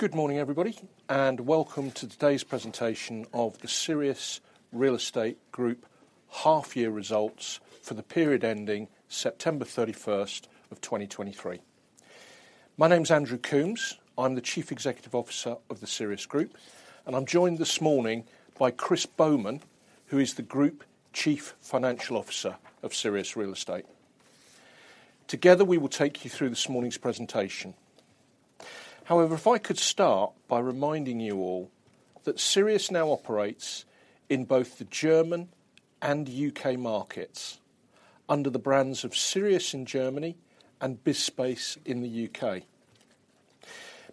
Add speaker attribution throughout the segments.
Speaker 1: Good morning, everybody, and welcome to today's presentation of the Sirius Real Estate Group half-year results for the period ending September 31st of 2023. My name is Andrew Coombs. I'm the Chief Executive Officer of the Sirius Group, and I'm joined this morning by Chris Bowman, who is the Group Chief Financial Officer of Sirius Real Estate. Together, we will take you through this morning's presentation. However, if I could start by reminding you all that Sirius now operates in both the German and U.K. markets, under the brands of Sirius in Germany and BizSpace in the U.K.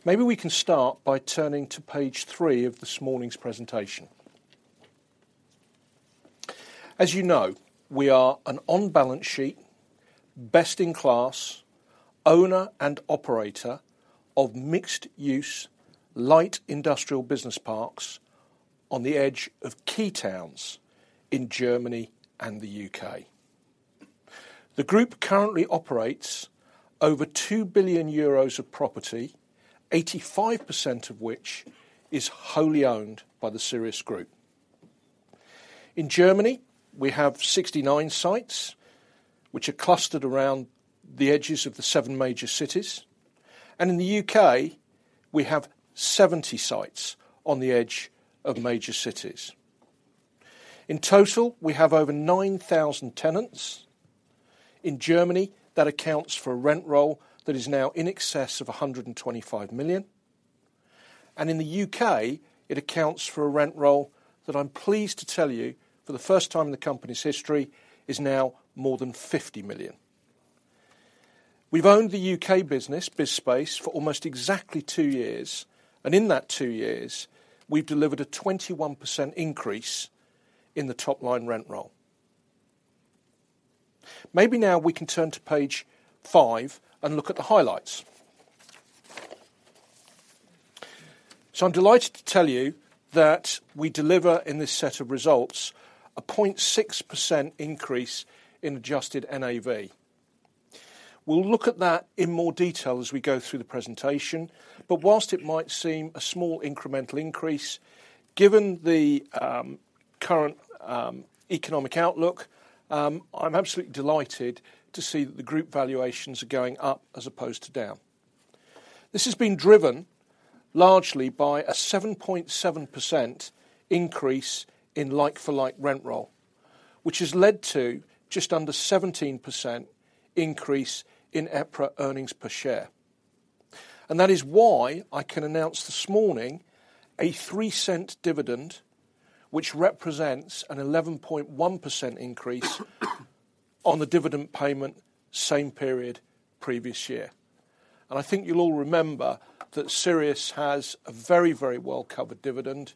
Speaker 1: Maybe we can start by turning to page three of this morning's presentation. As you know, we are an on-balance sheet, best-in-class, owner and operator of mixed-use, light industrial business parks on the edge of key towns in Germany and the U.K. The group currently operates over 2 billion euros of property, 85% of which is wholly owned by the Sirius Group. In Germany, we have 69 sites, which are clustered around the edges of the seven major cities, and in the UK, we have 70 sites on the edge of major cities. In total, we have over 9,000 tenants. In Germany, that accounts for a rent roll that is now in excess of 125 million, and in the UK, it accounts for a rent roll that I'm pleased to tell you, for the first time in the company's history, is now more than 50 million. We've owned the UK business, BizSpace, for almost exactly two years, and in that two years, we've delivered a 21% increase in the top-line rent roll. Maybe now we can turn to page 5 and look at the highlights. So I'm delighted to tell you that we deliver in this set of results a 0.6% increase in adjusted NAV. We'll look at that in more detail as we go through the presentation, but whilst it might seem a small incremental increase, given the current economic outlook, I'm absolutely delighted to see that the group valuations are going up as opposed to down. This has been driven largely by a 7.7% increase in like-for-like rent roll, which has led to just under 17% increase in EPRA earnings per share. And that is why I can announce this morning a 0.03 dividend, which represents an 11.1% increase on the dividend payment, same period, previous year. I think you'll all remember that Sirius has a very, very well-covered dividend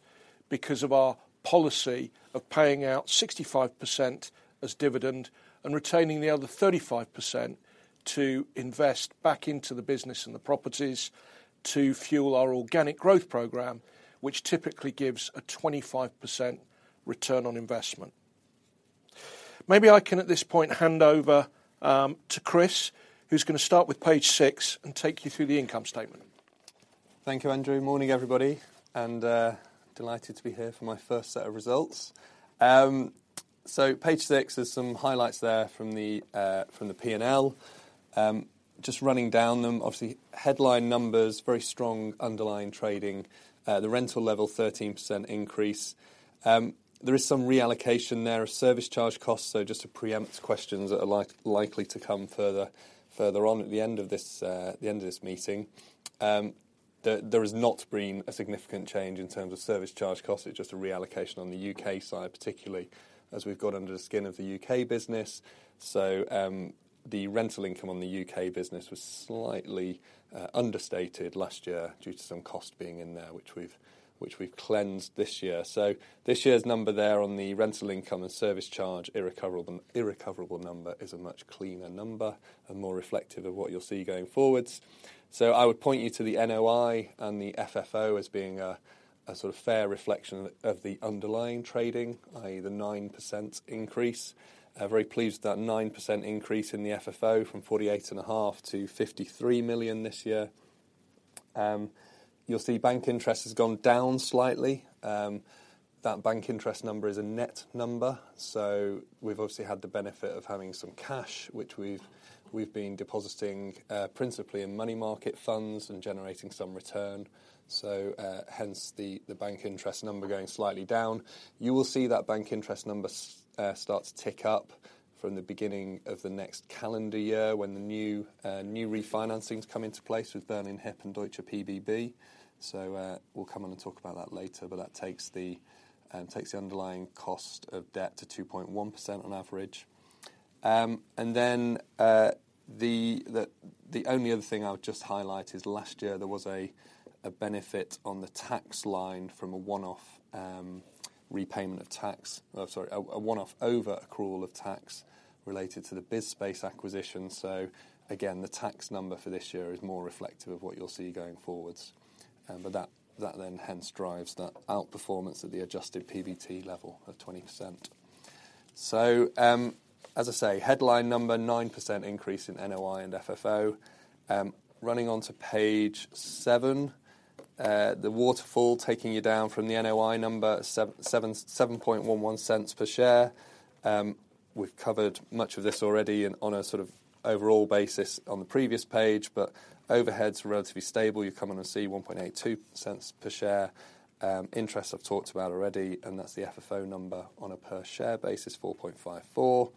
Speaker 1: because of our policy of paying out 65% as dividend and retaining the other 35% to invest back into the business and the properties to fuel our organic growth program, which typically gives a 25% return on investment. Maybe I can, at this point, hand over to Chris, who's going to start with page 6 and take you through the income statement.
Speaker 2: Thank you, Andrew. Morning, everybody, and delighted to be here for my first set of results. So page 6, there's some highlights there from the P&L. Just running down them, obviously, headline numbers, very strong underlying trading, the rental level, 13% increase. There is some reallocation there of service charge costs, so just to preempt questions that are likely to come further on at the end of this meeting, there has not been a significant change in terms of service charge costs. It's just a reallocation on the UK side, particularly as we've got under the skin of the UK business. So, the rental income on the UK business was slightly understated last year due to some cost being in there, which we've cleansed this year. So this year's number there on the rental income and service charge, irrecoverable number is a much cleaner number and more reflective of what you'll see going forwards. So I would point you to the NOI and the FFO as being a sort of fair reflection of the underlying trading, i.e., the 9% increase. Very pleased with that 9% increase in the FFO from 48.5 million to 53 million this year. You'll see bank interest has gone down slightly. That bank interest number is a net number, so we've obviously had the benefit of having some cash, which we've been depositing principally in money market funds and generating some return, so hence the bank interest number going slightly down. You will see that bank interest numbers start to tick up from the beginning of the next calendar year when the new refinancings come into place with Berlin Hyp and Deutsche PBB. So, we'll come on and talk about that later, but that takes the underlying cost of debt to 2.1% on average. And then, the only other thing I would just highlight is last year, there was a benefit on the tax line from a one-off repayment of tax. Sorry, a one-off overaccrual of tax related to the BizSpace acquisition. So again, the tax number for this year is more reflective of what you'll see going forwards. But that then hence drives that outperformance at the adjusted PBT level of 20%. As I say, headline number, 9% increase in NOI and FFO. Running on to page 7, the waterfall taking you down from the NOI number, 0.0711 per share. We've covered much of this already and on a sort of overall basis on the previous page, but overheads are relatively stable. You come in and see 0.0182 per share. Interest, I've talked about already, and that's the FFO number on a per share basis, 0.0454.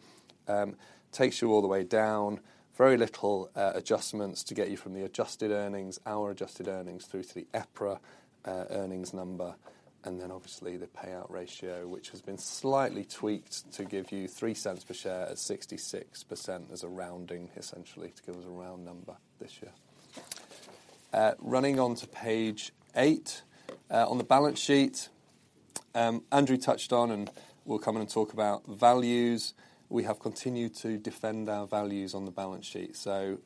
Speaker 2: Takes you all the way down. Very little adjustments to get you from the adjusted earnings, our adjusted earnings, through to the EPRA earnings number, and then obviously, the payout ratio, which has been slightly tweaked to give you 0.03 per share at 66% as a rounding, essentially, to give us a round number this year. Running on to page 8. On the balance sheet, Andrew touched on, and we'll come in and talk about values. We have continued to defend our values on the balance sheet. So,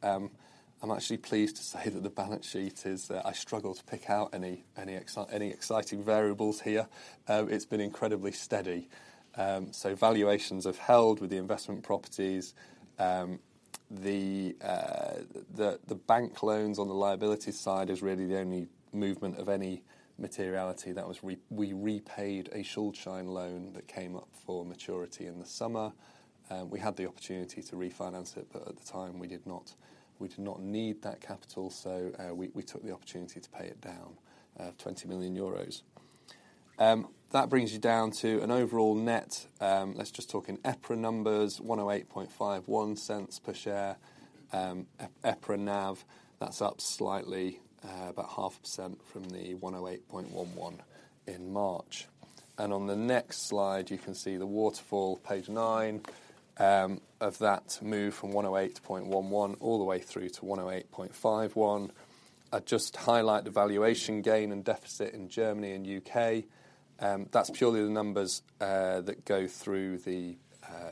Speaker 2: I'm actually pleased to say that the balance sheet is, I struggle to pick out any exciting variables here. It's been incredibly steady. So valuations have held with the investment properties. The bank loans on the liability side is really the only movement of any materiality. That was, we repaid a Schuldschein loan that came up for maturity in the summer, and we had the opportunity to refinance it, but at the time, we did not, we did not need that capital, so we took the opportunity to pay it down, 20 million euros. That brings you down to an overall net. Let's just talk in EPRA numbers, 1.0851 per share. EPRA NAV, that's up slightly, about 0.5% from the 1.0811 in March. And on the next slide, you can see the waterfall, page 9, of that move from 1.0811 all the way through to 1.0851. I just highlight the valuation gain and deficit in Germany and UK. That's purely the numbers that go through the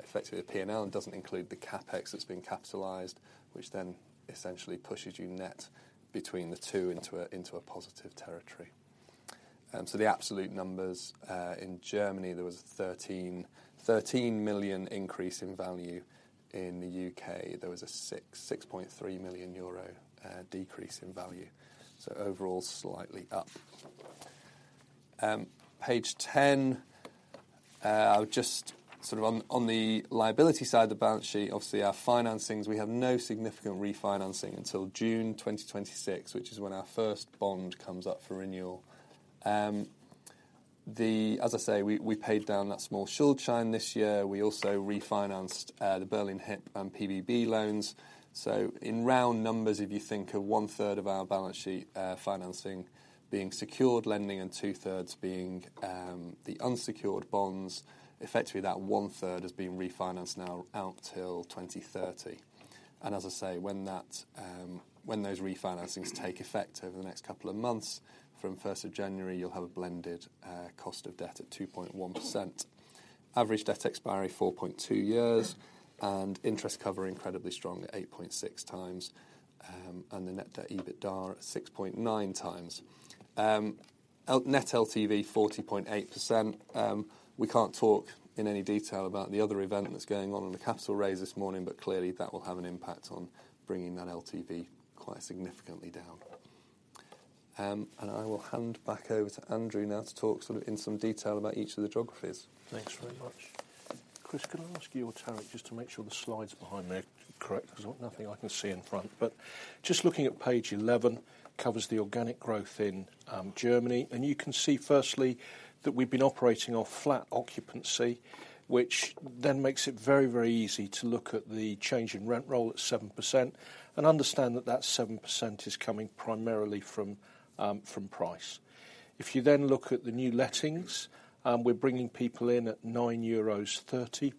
Speaker 2: effectively the P&L, and doesn't include the CapEx that's been capitalized, which then essentially pushes you net between the two into a positive territory. So the absolute numbers in Germany, there was 13 million increase in value. In the UK, there was a 6.3 million euro decrease in value. So overall, slightly up. Page 10, I would just sort of on the liability side of the balance sheet, obviously, our financings, we have no significant refinancing until June 2026, which is when our first bond comes up for renewal. As I say, we paid down that small Schuldschein this year. We also refinanced the Berlin Hyp and pbb loans. In round numbers, if you think of one third of our balance sheet, financing being secured lending, and two-thirds being the unsecured bonds, effectively, that one third has been refinanced now out till 2030. And as I say, when those refinancings take effect over the next couple of months, from 1st of January, you'll have a blended cost of debt at 2.1%. Average debt expiry, 4.2 years, and interest cover, incredibly strong at 8.6 times, and the net debt to EBITDA at 6.9 times. Net LTV, 40.8%. We can't talk in any detail about the other event that's going on in the capital raise this morning, but clearly, that will have an impact on bringing that LTV quite significantly down. I will hand back over to Andrew now to talk sort of in some detail about each of the geographies.
Speaker 1: Thanks very much. Chris, can I ask you or Tariq, just to make sure the slides behind me are correct, 'cause there's nothing I can see in front. But just looking at page 11, covers the organic growth in Germany, and you can see, firstly, that we've been operating off flat occupancy, which then makes it very, very easy to look at the change in rent roll at 7% and understand that, that 7% is coming primarily from, from price. If you then look at the new lettings, we're bringing people in at 9.30 euros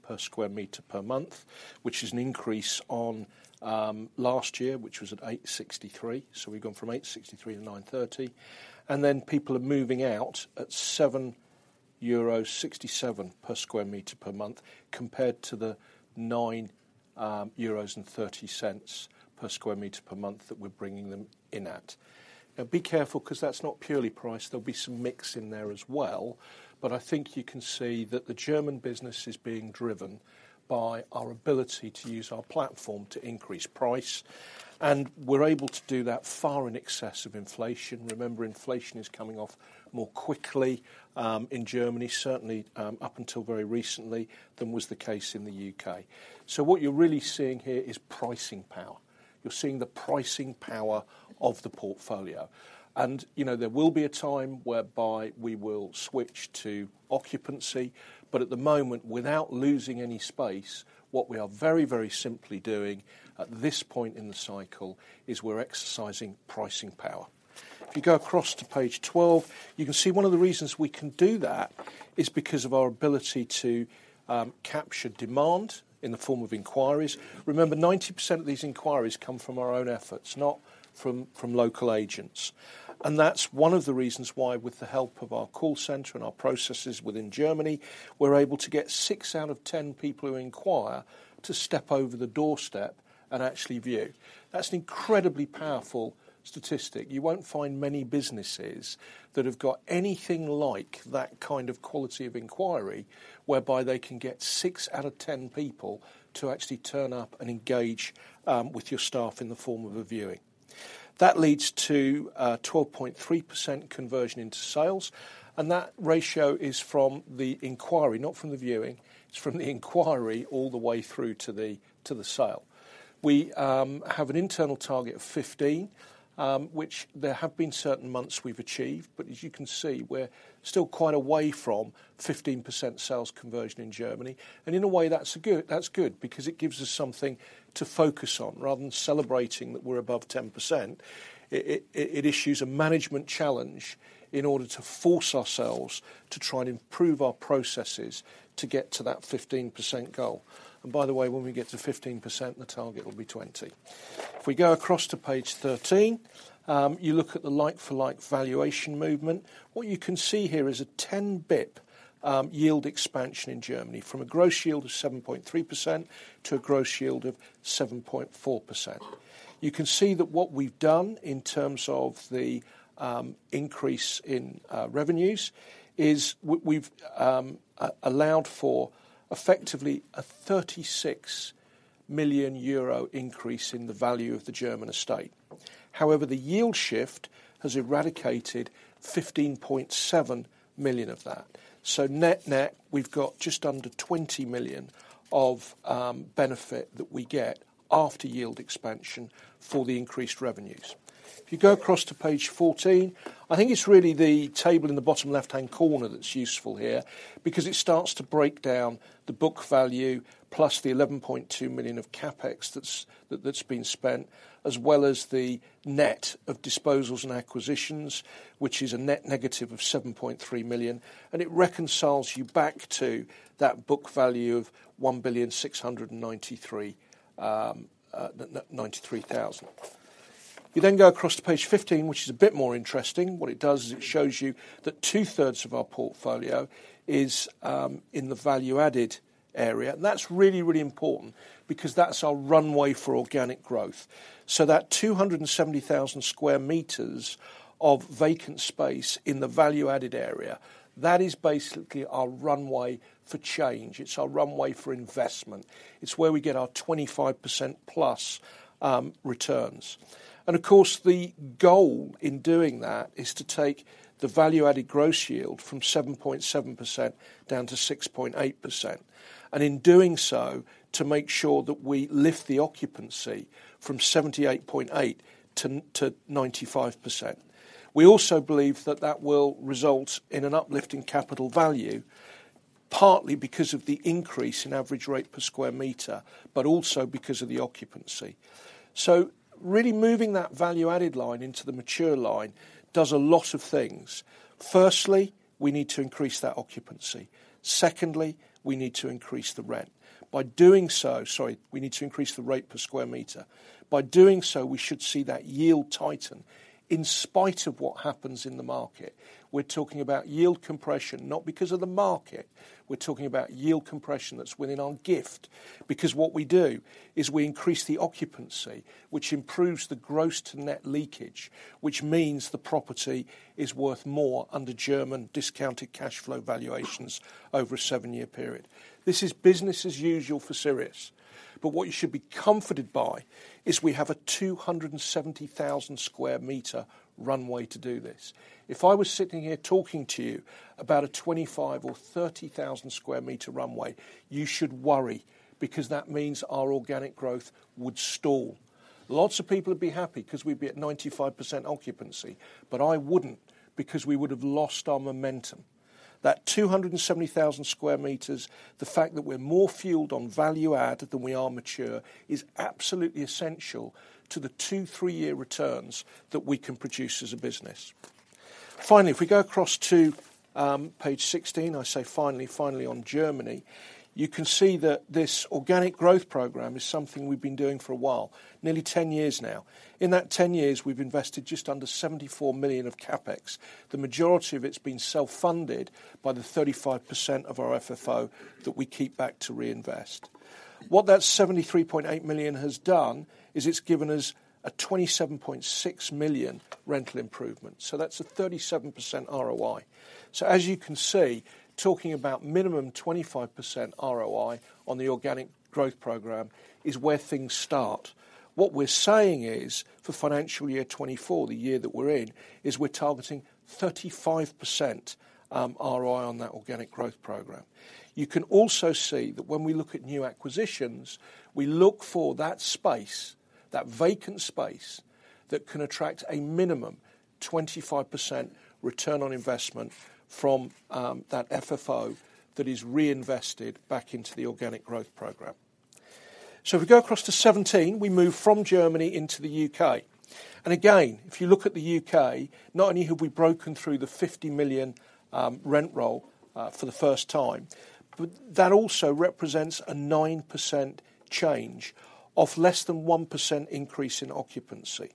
Speaker 1: per sq m per month, which is an increase on, last year, which was at 8.63. So we've gone from 8.63 to 9.30, and then people are moving out at 7.67 euro per square meter per month, compared to the 9 euros and 30 cents per square meter per month that we're bringing them in at. Now, be careful, 'cause that's not purely price. There'll be some mix in there as well, but I think you can see that the German business is being driven by our ability to use our platform to increase price, and we're able to do that far in excess of inflation. Remember, inflation is coming off more quickly, in Germany, certainly, up until very recently, than was the case in the UK. So what you're really seeing here is pricing power. You're seeing the pricing power of the portfolio. You know, there will be a time whereby we will switch to occupancy, but at the moment, without losing any space, what we are very, very simply doing at this point in the cycle is we're exercising pricing power. If you go across to page 12, you can see one of the reasons we can do that is because of our ability to capture demand in the form of inquiries. Remember, 90% of these inquiries come from our own efforts, not from local agents. And that's one of the reasons why, with the help of our call center and our processes within Germany, we're able to get six out of 10 people who inquire to step over the doorstep and actually view. That's an incredibly powerful statistic. You won't find many businesses that have got anything like that kind of quality of inquiry, whereby they can get six out of ten people to actually turn up and engage with your staff in the form of a viewing. That leads to 12.3% conversion into sales, and that ratio is from the inquiry, not from the viewing; it's from the inquiry all the way through to the sale. We have an internal target of 15, which there have been certain months we've achieved, but as you can see, we're still quite a way from 15% sales conversion in Germany. And in a way, that's good, that's good, because it gives us something to focus on, rather than celebrating that we're above 10%. It issues a management challenge in order to force ourselves to try and improve our processes to get to that 15% goal. And by the way, when we get to 15%, the target will be 20%. If we go across to page 13, you look at the like-for-like valuation movement. What you can see here is a 10 basis points yield expansion in Germany, from a gross yield of 7.3% to a gross yield of 7.4%. You can see that what we've done in terms of the increase in revenues is we've allowed for effectively a 36 million euro increase in the value of the German estate. However, the yield shift has eradicated 15.7 million of that. So net-net, we've got just under 20 million of benefit that we get after yield expansion for the increased revenues. If you go across to page 14, I think it's really the table in the bottom left-hand corner that's useful here, because it starts to break down the book value, plus the 11.2 million of CapEx that's been spent, as well as the net of disposals and acquisitions, which is a net negative of 7.3 million, and it reconciles you back to that book value of 1,693,093,000. You then go across to page 15, which is a bit more interesting. What it does is it shows you that two-thirds of our portfolio is in the value-added area. And that's really, really important, because that's our runway for organic growth. So that 270,000 square meters of vacant space in the value-added area, that is basically our runway for change, it's our runway for investment. It's where we get our 25%+ returns. And of course, the goal in doing that is to take the value-added gross yield from 7.7% down to 6.8%, and in doing so, to make sure that we lift the occupancy from 78.8 to 95%. We also believe that that will result in an uplift in capital value, partly because of the increase in average rate per square meter, but also because of the occupancy. So really moving that value-added line into the mature line does a lot of things. Firstly, we need to increase that occupancy. Secondly, we need to increase the rent. By doing so... Sorry, we need to increase the rate per square meter. By doing so, we should see that yield tighten. In spite of what happens in the market, we're talking about yield compression, not because of the market. We're talking about yield compression that's within our gift, because what we do is we increase the occupancy, which improves the gross to net leakage, which means the property is worth more under German discounted cash flow valuations over a seven-year period. This is business as usual for Sirius. But what you should be comforted by is we have a 270,000 square meter runway to do this. If I was sitting here talking to you about a 25- or 30,000-square meter runway, you should worry, because that means our organic growth would stall. Lots of people would be happy because we'd be at 95% occupancy, but I wouldn't, because we would have lost our momentum. That 270,000 square meters, the fact that we're more fueled on value add than we are mature, is absolutely essential to the 2-3-year returns that we can produce as a business. Finally, if we go across to page 16, I say finally, finally on Germany, you can see that this organic growth program is something we've been doing for a while, nearly 10 years now. In that 10 years, we've invested just under 74 million of CapEx. The majority of it's been self-funded by the 35% of our FFO that we keep back to reinvest. What that 73.8 million has done is it's given us a 27.6 million rental improvement, so that's a 37% ROI. So as you can see, talking about minimum 25% ROI on the organic growth program is where things start. What we're saying is, for financial year 2024, the year that we're in, is we're targeting 35% ROI on that organic growth program. You can also see that when we look at new acquisitions, we look for that space, that vacant space, that can attract a minimum 25% return on investment from that FFO that is reinvested back into the organic growth program. So if we go across to 17, we move from Germany into the UK. And again, if you look at the UK, not only have we broken through the 50 million rent roll for the first time, but that also represents a 9% change, of less than 1% increase in occupancy.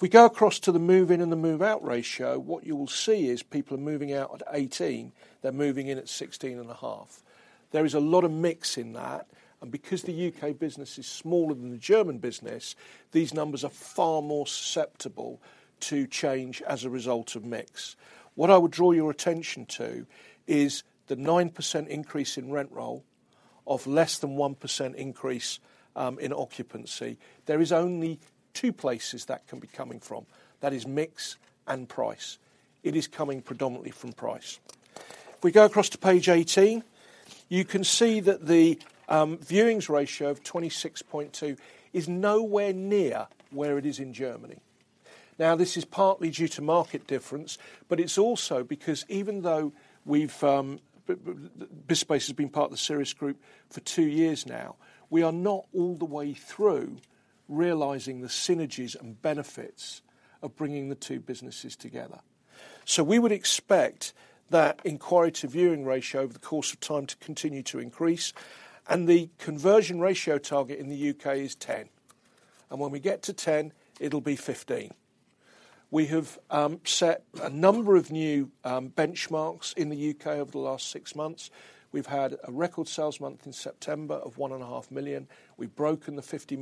Speaker 1: If we go across to the move in and the move-out ratio, what you will see is people are moving out at 18, they're moving in at 16.5. There is a lot of mix in that, and because the UK business is smaller than the German business, these numbers are far more susceptible to change as a result of mix. What I would draw your attention to is the 9% increase in rent roll of less than 1% increase in occupancy, there is only 2 places that can be coming from. That is mix and price. It is coming predominantly from price. If we go across to page 18, you can see that the viewings ratio of 26.2 is nowhere near where it is in Germany. Now, this is partly due to market difference, but it's also because even though we've BizSpace has been part of the Sirius Group for two years now, we are not all the way through realizing the synergies and benefits of bringing the two businesses together. So we would expect that inquiry-to-viewing ratio over the course of time to continue to increase, and the conversion ratio target in the UK is 10, and when we get to 10, it'll be 15. We have set a number of new benchmarks in the UK over the last six months. We've had a record sales month in September of 1.5 million. We've broken the 50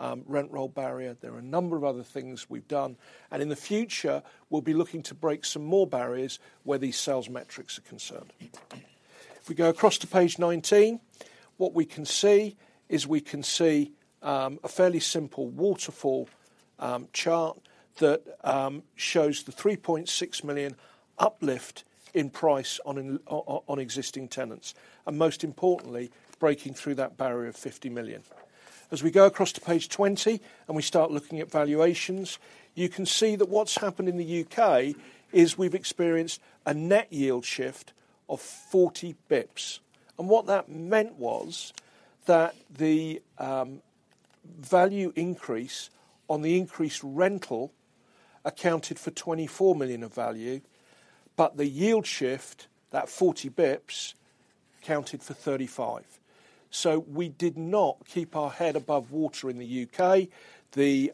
Speaker 1: million rent roll barrier. There are a number of other things we've done, and in the future, we'll be looking to break some more barriers where these sales metrics are concerned. If we go across to page 19, what we can see is we can see a fairly simple waterfall chart that shows the 3.6 million uplift in price on existing tenants, and most importantly, breaking through that barrier of 50 million. As we go across to page 20 and we start looking at valuations, you can see that what's happened in the UK is we've experienced a net yield shift of 40 bps. And what that meant was that the value increase on the increased rental accounted for 24 million of value, but the yield shift, that 40 bps, accounted for 35 million. So we did not keep our head above water in the UK. The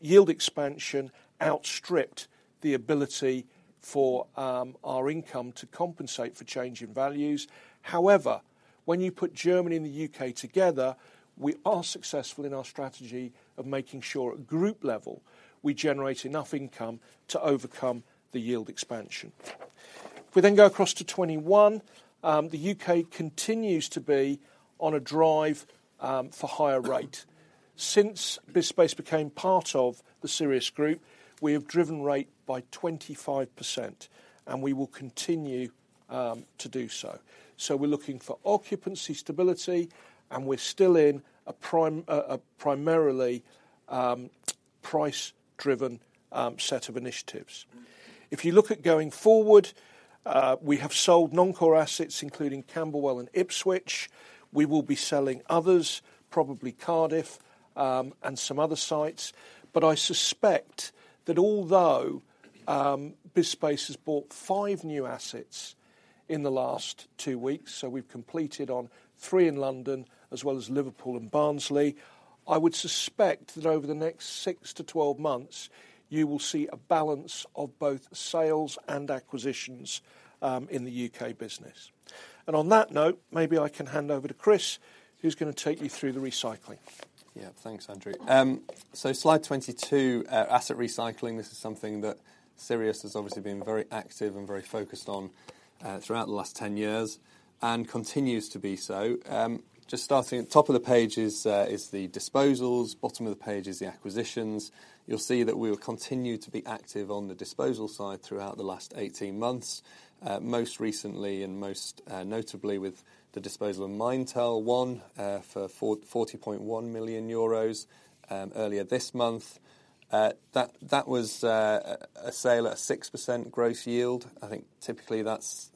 Speaker 1: yield expansion outstripped the ability for our income to compensate for change in values. However, when you put Germany and the UK together, we are successful in our strategy of making sure at group level, we generate enough income to overcome the yield expansion. If we then go across to 2021, the UK continues to be on a drive for higher rate. Since BizSpace became part of the Sirius Group, we have driven rate by 25%, and we will continue to do so. So we're looking for occupancy stability, and we're still in a primarily price-driven set of initiatives. If you look at going forward, we have sold non-core assets, including Camberwell and Ipswich. We will be selling others, probably Cardiff, and some other sites. But I suspect that although, BizSpace has bought 5 new assets in the last 2 weeks, so we've completed on 3 in London, as well as Liverpool and Barnsley, I would suspect that over the next 6-12 months, you will see a balance of both sales and acquisitions, in the UK business. And on that note, maybe I can hand over to Chris, who's going to take you through the recycling.
Speaker 2: Yeah. Thanks, Andrew. So slide 22, asset recycling, this is something that Sirius has obviously been very active and very focused on throughout the last 10 years and continues to be so. Just starting, top of the page is the disposals, bottom of the page is the acquisitions. You'll see that we will continue to be active on the disposal side throughout the last 18 months, most recently and most notably with the disposal of Maintal for 44.1 million euros earlier this month. That was a sale at 6% gross yield. I think typically that's,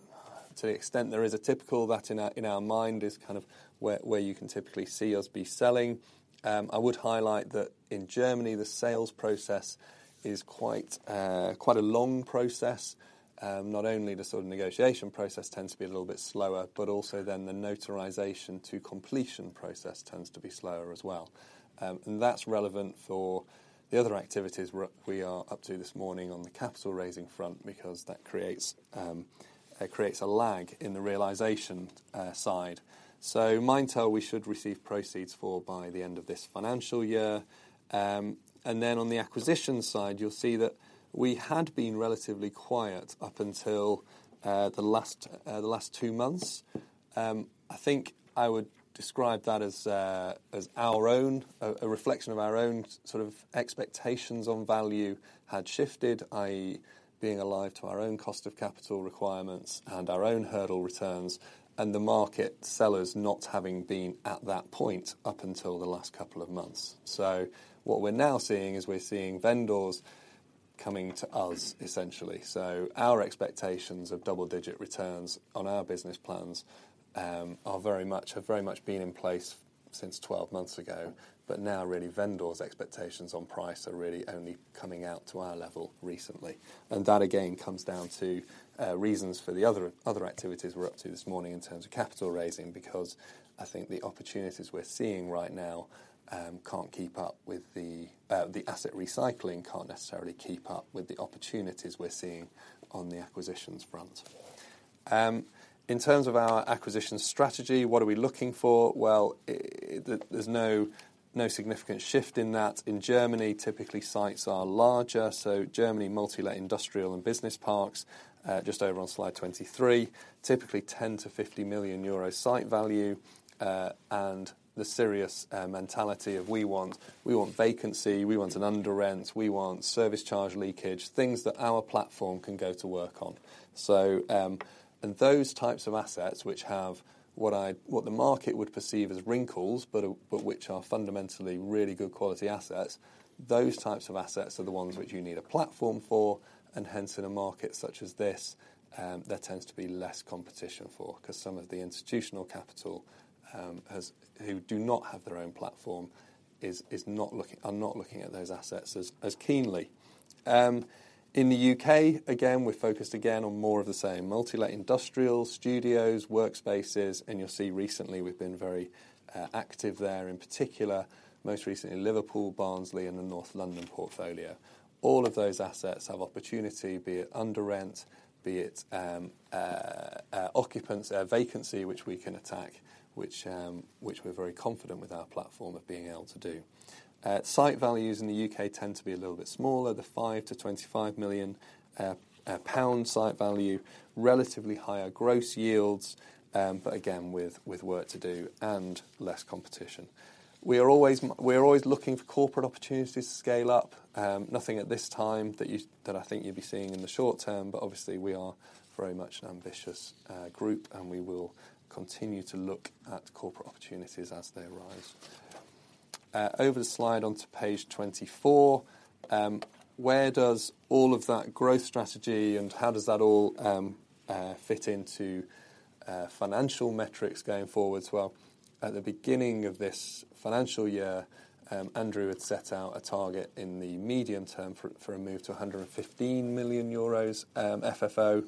Speaker 2: to the extent there is a typical, that in our mind is kind of where you can typically see us be selling. I would highlight that in Germany, the sales process is quite, quite a long process. Not only the sort of negotiation process tends to be a little bit slower, but also then the notarization to completion process tends to be slower as well. And that's relevant for the other activities we are up to this morning on the capital raising front, because that creates, it creates a lag in the realization side. So Maintal, we should receive proceeds for by the end of this financial year. And then on the acquisition side, you'll see that we had been relatively quiet up until the last two months. I think I would describe that as our own... A reflection of our own sort of expectations on value had shifted, i.e., being alive to our own cost of capital requirements and our own hurdle returns, and the market sellers not having been at that point up until the last couple of months. So what we're now seeing, is we're seeing vendors coming to us, essentially. So our expectations of double-digit returns on our business plans, are very much, have very much been in place since 12 months ago. But now, really, vendors' expectations on price are really only coming out to our level recently. That, again, comes down to reasons for the other activities we're up to this morning in terms of capital raising, because I think the opportunities we're seeing right now can't keep up with the asset recycling can't necessarily keep up with the opportunities we're seeing on the acquisitions front. In terms of our acquisition strategy, what are we looking for? Well, there's no significant shift in that. In Germany, typically, sites are larger, so Germany, multi-let industrial and business parks, just over on slide 23. Typically, 10 million-50 million euro site value, and the Sirius mentality of we want, we want vacancy, we want an under rent, we want service charge leakage, things that our platform can go to work on. So, those types of assets, which have what the market would perceive as wrinkles, but which are fundamentally really good quality assets, those types of assets are the ones which you need a platform for, and hence in a market such as this, there tends to be less competition for, 'cause some of the institutional capital who do not have their own platform are not looking at those assets as keenly. In the UK, again, we're focused again on more of the same, multi-let industrial, studios, workspaces, and you'll see recently we've been very active there, in particular, most recently in Liverpool, Barnsley, and the North London portfolio. All of those assets have opportunity, be it under rent, be it, occupancy, vacancy, which we can attack, which, which we're very confident with our platform of being able to do. Site values in the UK tend to be a little bit smaller, the 5 million-25 million pound site value, relatively higher gross yields, but again, with, with work to do and less competition. We are always looking for corporate opportunities to scale up. Nothing at this time that you, that I think you'll be seeing in the short term, but obviously we are very much an ambitious group, and we will continue to look at corporate opportunities as they arise. Over the slide onto page 24, where does all of that growth strategy and how does that all fit into financial metrics going forward? Well, at the beginning of this financial year, Andrew had set out a target in the medium term for a move to 115 million euros FFO.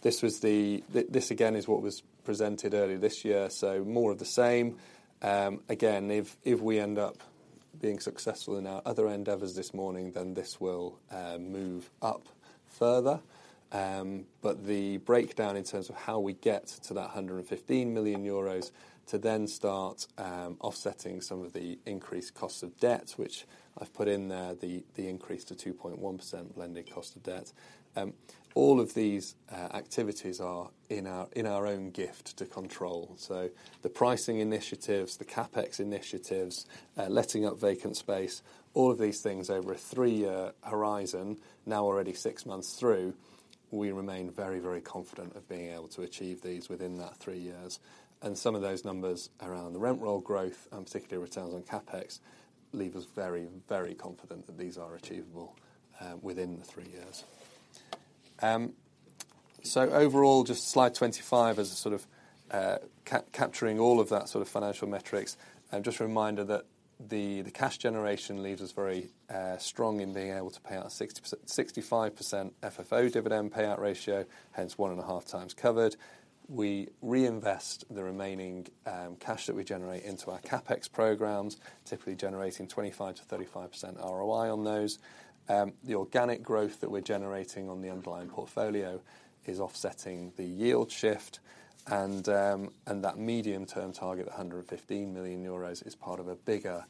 Speaker 2: This was the... This, again, is what was presented earlier this year, so more of the same. Again, if we end up being successful in our other endeavors this morning, then this will move up further. But the breakdown in terms of how we get to that 115 million euros to then start offsetting some of the increased costs of debt, which I've put in there, the increase to 2.1% lending cost of debt. All of these activities are in our, in our own gift to control. So the pricing initiatives, the CapEx initiatives, letting up vacant space, all of these things over a 3-year horizon, now already 6 months through, we remain very, very confident of being able to achieve these within that 3 years. And some of those numbers around the rent roll growth, and particularly returns on CapEx, leave us very, very confident that these are achievable within the 3 years. So overall, just slide 25 as a sort of capturing all of that sort of financial metrics. And just a reminder that the, the cash generation leaves us very strong in being able to pay our 60%-65% FFO dividend payout ratio, hence 1.5 times covered. We reinvest the remaining cash that we generate into our CapEx programs, typically generating 25%-35% ROI on those. The organic growth that we're generating on the underlying portfolio is offsetting the yield shift, and that medium-term target of 115 million euros is part of a bigger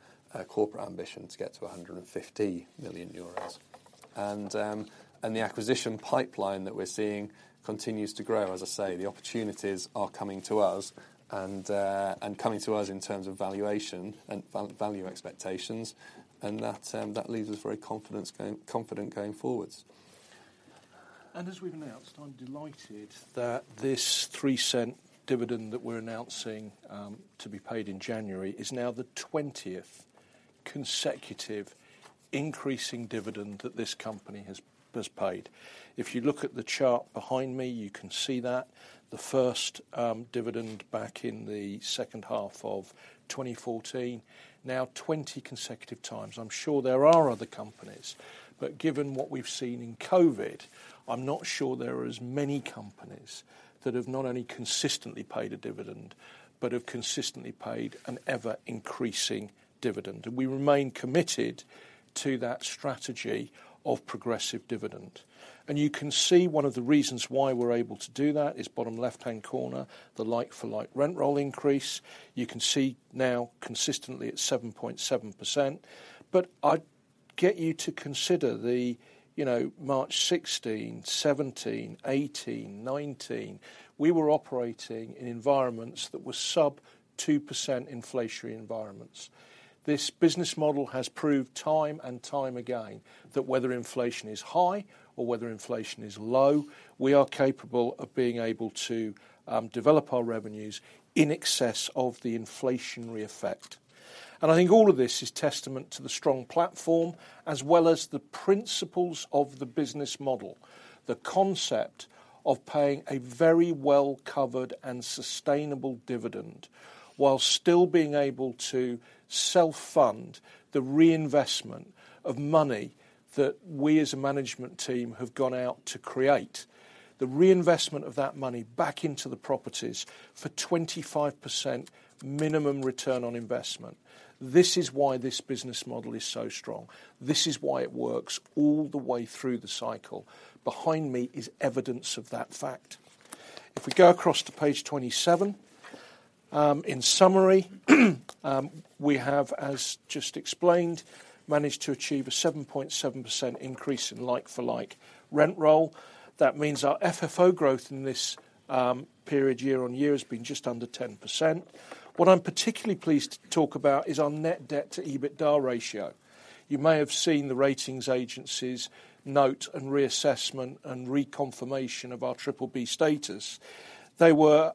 Speaker 2: corporate ambition to get to 150 million euros. The acquisition pipeline that we're seeing continues to grow. As I say, the opportunities are coming to us and coming to us in terms of valuation and value expectations, and that leaves us very confident going forwards.
Speaker 1: As we've announced, I'm delighted that this 3-cent dividend that we're announcing to be paid in January is now the 20th consecutive increasing dividend that this company has paid. If you look at the chart behind me, you can see that. The first dividend back in the second half of 2014, now 20 consecutive times. I'm sure there are other companies, but given what we've seen in COVID, I'm not sure there are as many companies that have not only consistently paid a dividend, but have consistently paid an ever-increasing dividend. And we remain committed to that strategy of progressive dividend. And you can see one of the reasons why we're able to do that is bottom left-hand corner, the like-for-like rent roll increase. You can see now consistently at 7.7%. But I'd get you to consider the, you know, March 2016, 2017, 2018, 2019, we were operating in environments that were sub-2% inflationary environments. This business model has proved time and time again, that whether inflation is high or whether inflation is low, we are capable of being able to develop our revenues in excess of the inflationary effect. And I think all of this is testament to the strong platform, as well as the principles of the business model. The concept of paying a very well-covered and sustainable dividend, while still being able to self-fund the reinvestment of money that we as a management team have gone out to create, the reinvestment of that money back into the properties for 25% minimum return on investment. This is why this business model is so strong. This is why it works all the way through the cycle. Behind me is evidence of that fact. If we go across to page 27, in summary, we have, as just explained, managed to achieve a 7.7% increase in like-for-like rent roll. That means our FFO growth in this period, year-on-year, has been just under 10%. What I'm particularly pleased to talk about is our net debt to EBITDA ratio. You may have seen the ratings agencies note, and reassessment, and reconfirmation of our triple B status. They were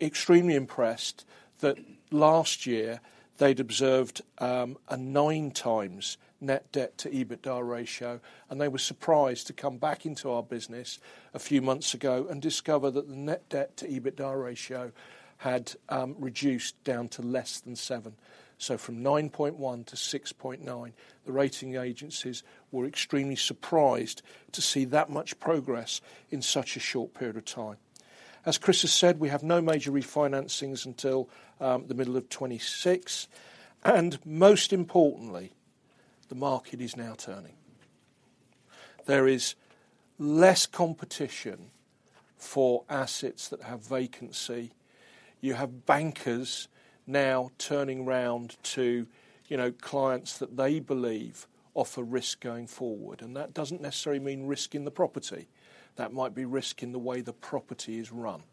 Speaker 1: extremely impressed that last year they'd observed a 9x net debt to EBITDA ratio, and they were surprised to come back into our business a few months ago and discover that the net debt to EBITDA ratio had reduced down to less than 7. So from 9.1 to 6.9, the rating agencies were extremely surprised to see that much progress in such a short period of time. As Chris has said, we have no major refinancings until the middle of 2026, and most importantly, the market is now turning. There is less competition for assets that have vacancy. You have bankers now turning round to, you know, clients that they believe offer risk going forward, and that doesn't necessarily mean risk in the property. That might be risk in the way the property is run.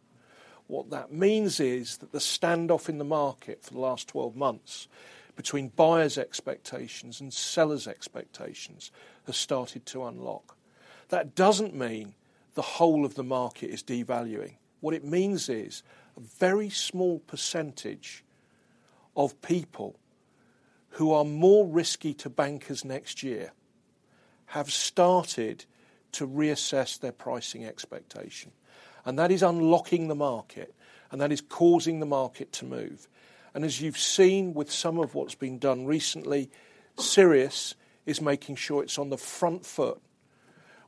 Speaker 1: What that means is, that the standoff in the market for the last 12 months, between buyers' expectations and sellers' expectations, has started to unlock. That doesn't mean the whole of the market is devaluing. What it means is, a very small percentage of people who are more risky to bankers next year, have started to reassess their pricing expectation. That is unlocking the market, and that is causing the market to move. As you've seen with some of what's been done recently, Sirius is making sure it's on the front foot.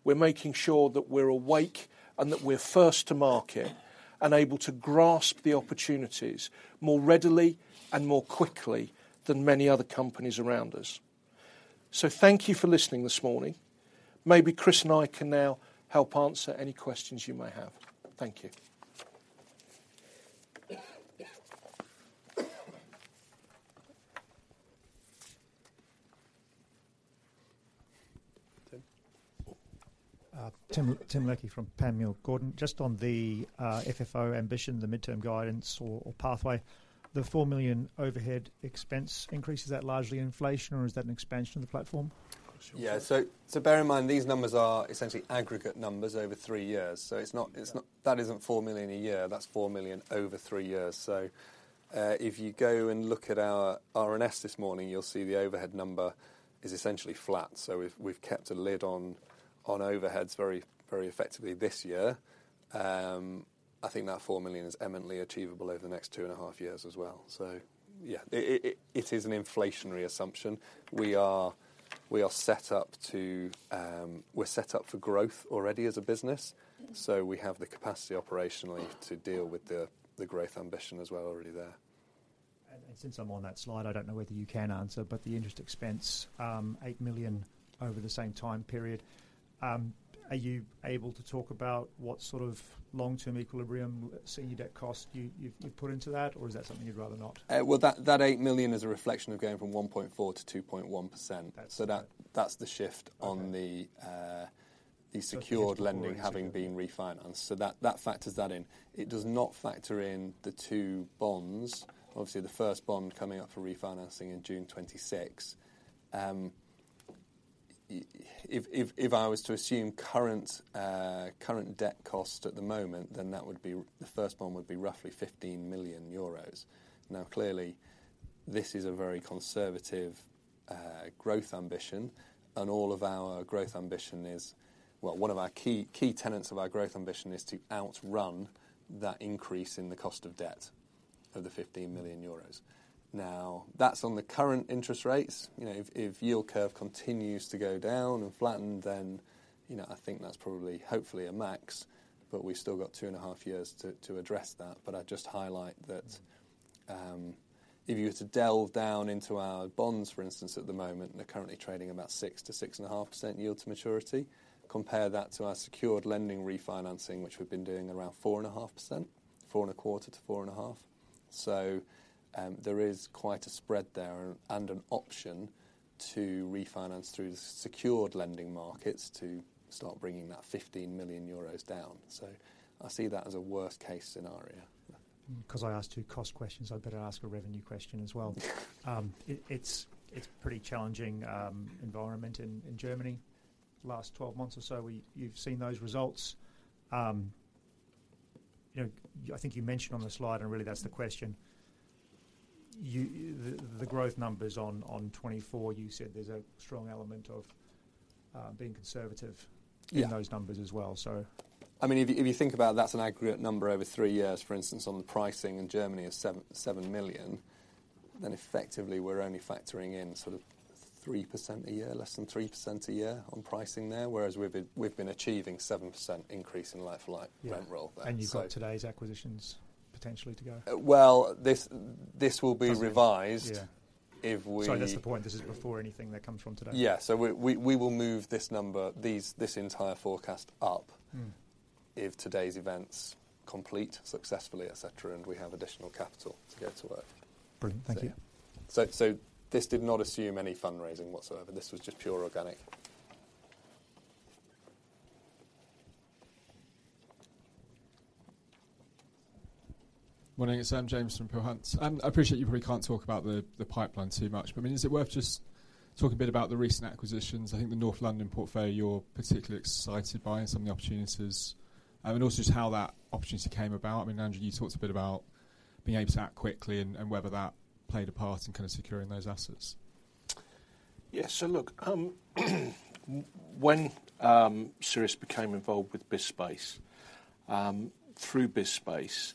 Speaker 1: We're making sure that we're awake, and that we're first to market, and able to grasp the opportunities more readily and more quickly than many other companies around us. So thank you for listening this morning. Maybe Chris and I can now help answer any questions you may have. Thank you.
Speaker 3: Tim Leckie from Panmure Gordon. Just on the FFO ambition, the midterm guidance or pathway, the 4 million overhead expense increase, is that largely inflation, or is that an expansion of the platform?
Speaker 2: Yeah. So bear in mind, these numbers are essentially aggregate numbers over three years. So it's not, it's not-
Speaker 3: Yeah.
Speaker 2: That isn't 4 million a year, that's 4 million over three years. So, if you go and look at our RNS this morning, you'll see the overhead number is essentially flat. So we've kept a lid on overheads very, very effectively this year. I think that 4 million is eminently achievable over the next two and a half years as well. So yeah, it is an inflationary assumption. We are set up to... We're set up for growth already as a business, so we have the capacity operationally to deal with the growth ambition as well, already there.
Speaker 3: And since I'm on that slide, I don't know whether you can answer, but the interest expense, 8 million over the same time period, are you able to talk about what sort of long-term equilibrium senior debt cost you've put into that, or is that something you'd rather not?
Speaker 2: Well, that 8 million is a reflection of going from 1.4% to 2.1%.
Speaker 3: Okay.
Speaker 2: So that, that's the shift-
Speaker 3: Okay...
Speaker 2: on the secured-
Speaker 3: The secured
Speaker 2: ...lending, having been refinanced, so that factors that in. It does not factor in the two bonds. Obviously, the first bond coming up for refinancing in June 2026. If I was to assume current debt cost at the moment, then that would be, the first bond would be roughly 15 million euros. Now, clearly, this is a very conservative growth ambition, and all of our growth ambition is... Well, one of our key tenets of our growth ambition is to outrun that increase in the cost of debt of the 15 million euros. Now, that's on the current interest rates. You know, if yield curve continues to go down and flatten, then, you know, I think that's probably, hopefully a max, but we've still got two and a half years to address that. I'd just highlight that, if you were to delve down into our bonds, for instance, at the moment, they're currently trading about 6%-6.5% yield to maturity. Compare that to our secured lending refinancing, which we've been doing around 4.5%, 4.25%-4.5%. So, there is quite a spread there and an option to refinance through the secured lending markets to start bringing that 15 million euros down. So I see that as a worst case scenario.
Speaker 3: Because I asked two cost questions, I'd better ask a revenue question as well. It's pretty challenging environment in Germany. Last 12 months or so, you've seen those results. You know, I think you mentioned on the slide, and really that's the question, you. The growth numbers on 2024, you said there's a strong element of being conservative-
Speaker 2: Yeah...
Speaker 3: in those numbers as well, so.
Speaker 2: I mean, if you, if you think about it, that's an aggregate number over three years. For instance, on the pricing in Germany is 77 million, then effectively, we're only factoring in sort of 3% a year, less than 3% a year on pricing there, whereas we've been, we've been achieving 7% increase in like-for-like-
Speaker 3: Yeah...
Speaker 2: rent roll. So-
Speaker 3: You've got today's acquisitions potentially to go.
Speaker 2: Well, this will be revised-
Speaker 3: Yeah... Sorry, that's the point, this is before anything that comes from today?
Speaker 2: Yeah, so we will move this number, this entire forecast up-
Speaker 3: Mm.
Speaker 2: If today's events complete successfully, et cetera, and we have additional capital to go to work.
Speaker 3: Brilliant. Thank you.
Speaker 2: This did not assume any fundraising whatsoever. This was just pure organic.
Speaker 4: Morning, it's Sam James from Peel Hunt. I appreciate you probably can't talk about the pipeline too much, but, I mean, is it worth just talk a bit about the recent acquisitions? I think the North London portfolio, you're particularly excited by some of the opportunities. And also just how that opportunity came about. I mean, Andrew, you talked a bit about being able to act quickly and whether that played a part in kind of securing those assets.
Speaker 1: Yeah, so look, when Sirius became involved with BizSpace, through BizSpace,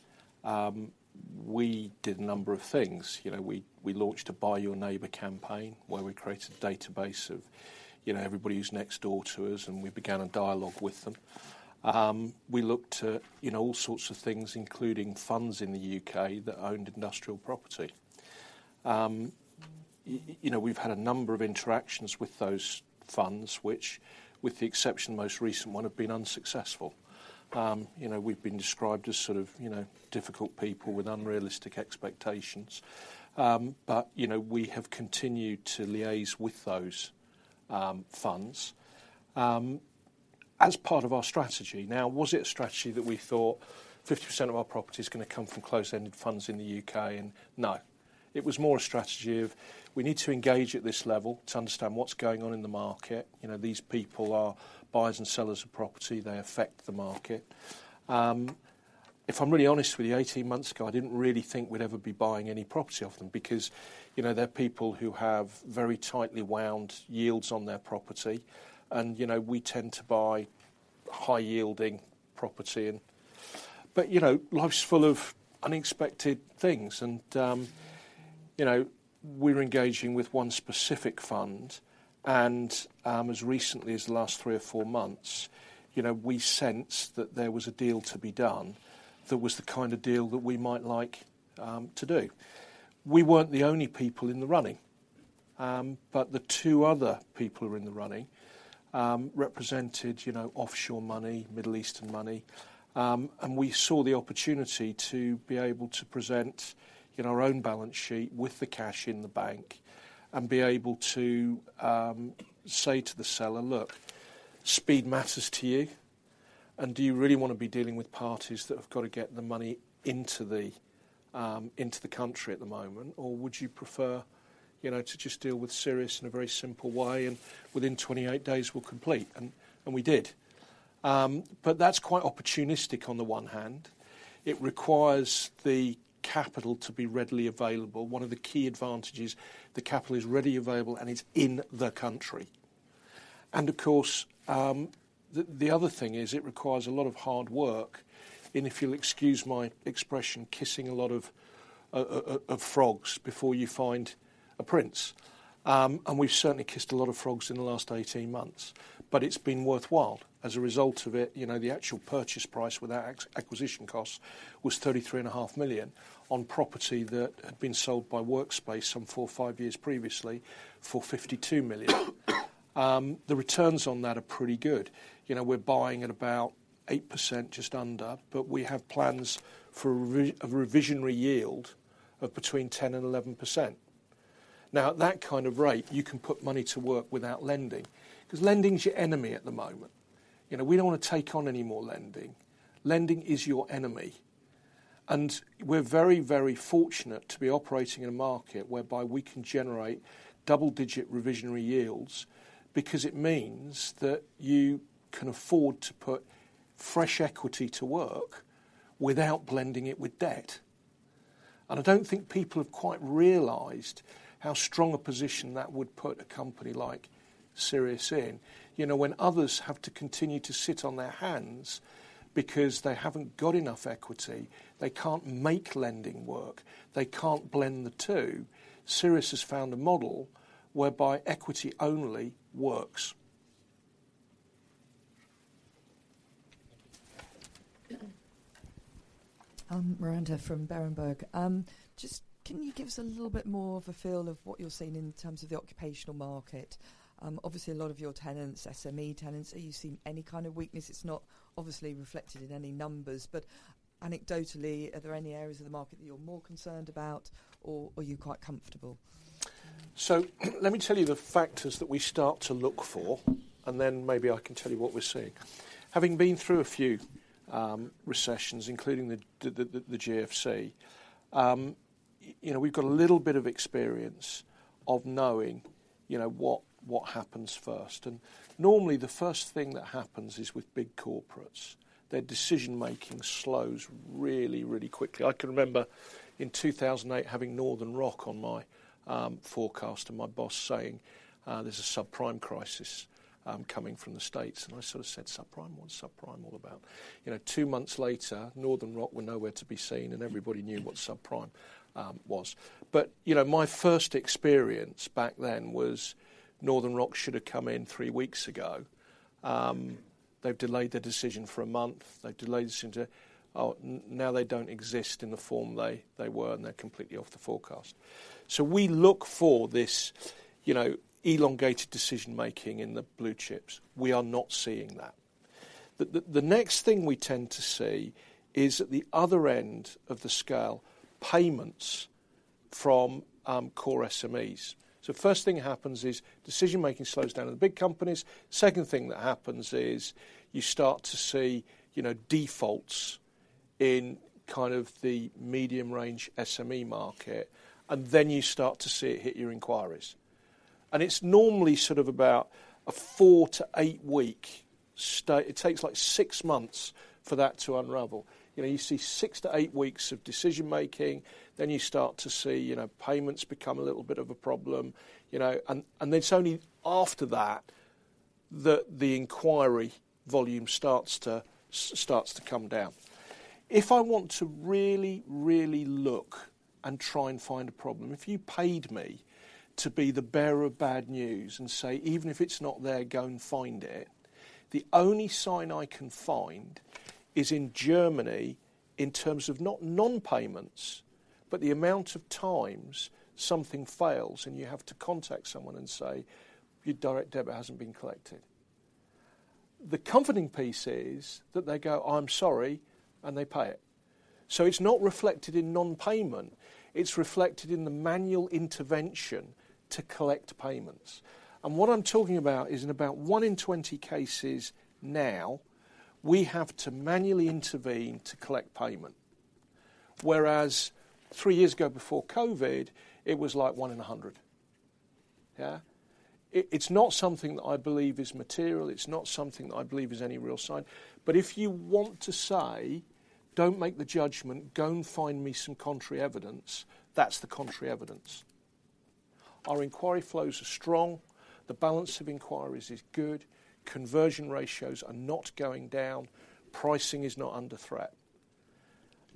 Speaker 1: we did a number of things. You know, we, we launched a Buy Your Neighbour campaign, where we created a database of, you know, everybody who's next door to us, and we began a dialogue with them. We looked at, you know, all sorts of things, including funds in the UK that owned industrial property. You know, we've had a number of interactions with those funds, which, with the exception of the most recent one, have been unsuccessful. You know, we've been described as sort of, you know, difficult people with unrealistic expectations. But, you know, we have continued to liaise with those funds, as part of our strategy. Now, was it a strategy that we thought 50% of our property is gonna come from closed-ended funds in the UK? No. It was more a strategy of, we need to engage at this level to understand what's going on in the market. You know, these people are buyers and sellers of property, they affect the market. If I'm really honest with you, 18 months ago, I didn't really think we'd ever be buying any property off them, because, you know, they're people who have very tightly wound yields on their property, and, you know, we tend to buy high-yielding property and... But, you know, life's full of unexpected things, and, you know, we're engaging with one specific fund, and, as recently as the last three or four months, you know, we sensed that there was a deal to be done that was the kind of deal that we might like, to do. We weren't the only people in the running. But the two other people who were in the running, represented, you know, offshore money, Middle Eastern money. And we saw the opportunity to be able to present, you know, our own balance sheet with the cash in the bank, and be able to, say to the seller, "Look, speed matters to you, and do you really wanna be dealing with parties that have got to get the money into the, into the country at the moment? Or would you prefer, you know, to just deal with Sirius in a very simple way, and within 28 days we'll complete?" And we did. But that's quite opportunistic on the one hand. It requires the capital to be readily available. One of the key advantages, the capital is readily available, and it's in the country. And of course, the other thing is, it requires a lot of hard work, and if you'll excuse my expression, kissing a lot of frogs before you find a prince. And we've certainly kissed a lot of frogs in the last 18 months, but it's been worthwhile. As a result of it, you know, the actual purchase price with our acquisition costs was 33.5 million, on property that had been sold by Workspace some 4 or 5 years previously for 52 million. The returns on that are pretty good. You know, we're buying at about 8%, just under, but we have plans for a reversionary yield of between 10% and 11%. Now, at that kind of rate, you can put money to work without lending, because lending is your enemy at the moment. You know, we don't want to take on any more lending. Lending is your enemy, and we're very, very fortunate to be operating in a market whereby we can generate double-digit reversionary yield, because it means that you can afford to put fresh equity to work without blending it with debt. And I don't think people have quite realized how strong a position that would put a company like Sirius in. You know, when others have to continue to sit on their hands because they haven't got enough equity, they can't make lending work, they can't blend the two, Sirius has found a model whereby equity only works.
Speaker 5: Miranda from Berenberg. Just, can you give us a little bit more of a feel of what you're seeing in terms of the occupational market? Obviously, a lot of your tenants, SME tenants, are you seeing any kind of weakness? It's not obviously reflected in any numbers, but anecdotally, are there any areas of the market that you're more concerned about, or, are you quite comfortable?
Speaker 1: So, let me tell you the factors that we start to look for, and then maybe I can tell you what we're seeing. Having been through a few recessions, including the GFC, you know, we've got a little bit of experience of knowing, you know, what happens first, and normally, the first thing that happens is with big corporates. Their decision making slows really, really quickly. I can remember in 2008, having Northern Rock on my forecast, and my boss saying, "There's a subprime crisis coming from the States." And I sort of said, "Subprime? What's subprime all about?" You know, two months later, Northern Rock were nowhere to be seen, and everybody knew what subprime was. But, you know, my first experience back then was, Northern Rock should have come in three weeks ago. They've delayed their decision for a month. They've delayed decision to now they don't exist in the form they were, and they're completely off the forecast. So we look for this, you know, elongated decision-making in the blue chips. We are not seeing that. The next thing we tend to see is at the other end of the scale, payments from core SMEs. So first thing happens is decision-making slows down in the big companies. Second thing that happens is you start to see, you know, defaults in kind of the medium range SME market, and then you start to see it hit your inquiries. And it's normally sort of about a 4-8 week it takes like 6 months for that to unravel. You know, you see 6-8 weeks of decision making, then you start to see, you know, payments become a little bit of a problem, you know, and, and it's only after that, that the inquiry volume starts to, starts to come down. If I want to really, really look and try and find a problem, if you paid me to be the bearer of bad news and say, "Even if it's not there, go and find it," the only sign I can find is in Germany, in terms of not non-payments, but the amount of times something fails, and you have to contact someone and say, "Your direct debit hasn't been collected." The comforting piece is that they go, "I'm sorry," and they pay it. So it's not reflected in non-payment. It's reflected in the manual intervention to collect payments. What I'm talking about is in about 1 in 20 cases now, we have to manually intervene to collect payment. Whereas 3 years ago, before COVID, it was like 1 in 100. Yeah? It, it's not something that I believe is material. It's not something that I believe is any real sign. But if you want to say, "Don't make the judgment, go and find me some contrary evidence," that's the contrary evidence. Our inquiry flows are strong, the balance of inquiries is good, conversion ratios are not going down, pricing is not under threat.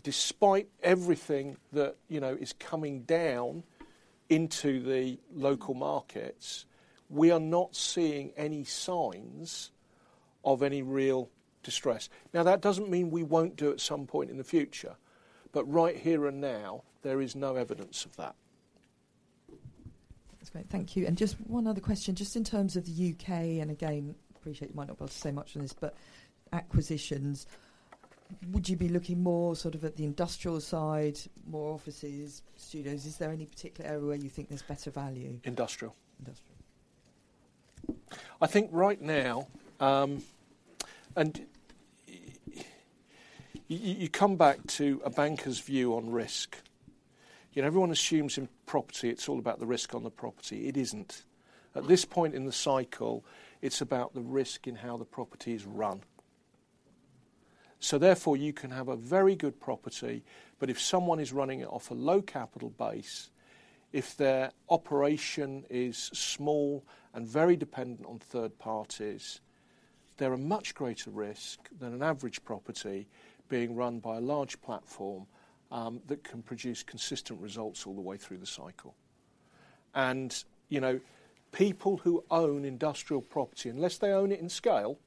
Speaker 1: Despite everything that, you know, is coming down into the local markets, we are not seeing any signs of any real distress. Now, that doesn't mean we won't do at some point in the future, but right here and now, there is no evidence of that.
Speaker 5: That's great. Thank you. Just one other question, just in terms of the UK, and again, I appreciate you might not be able to say much on this, but acquisitions, would you be looking more sort of at the industrial side, more offices, studios? Is there any particular area where you think there's better value?
Speaker 1: Industrial.
Speaker 5: Industrial.
Speaker 1: I think right now, and you come back to a banker's view on risk. You know, everyone assumes in property, it's all about the risk on the property. It isn't. At this point in the cycle, it's about the risk in how the property is run. So therefore, you can have a very good property, but if someone is running it off a low capital base, if their operation is small and very dependent on third parties, they're a much greater risk than an average property being run by a large platform, that can produce consistent results all the way through the cycle. And, you know, people who own industrial property, unless they own it in scale,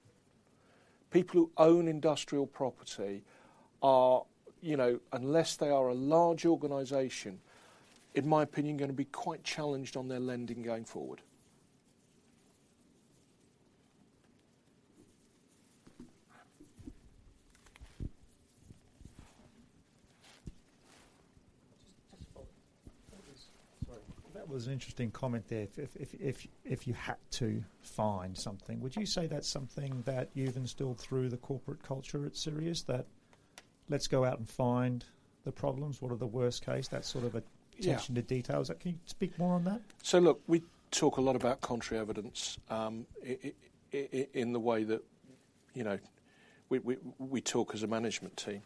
Speaker 1: people who own industrial property are, you know, unless they are a large organization, in my opinion, going to be quite challenged on their lending going forward.
Speaker 3: Sorry. That was an interesting comment there. If you had to find something, would you say that's something that you've instilled through the corporate culture at Sirius? That, let's go out and find the problems. What are the worst case? That sort of attention-
Speaker 1: Yeah...
Speaker 3: to detail. Is that, can you speak more on that?
Speaker 1: So look, we talk a lot about contrary evidence, in the way that, you know, we talk as a management team.